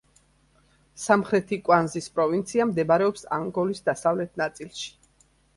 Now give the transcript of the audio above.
სამხრეთი კვანზის პროვინცია მდებარეობს ანგოლის დასავლეთ ნაწილში.